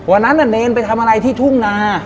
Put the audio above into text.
วันนั้นเนรไปทำอะไรที่ทุ่งนา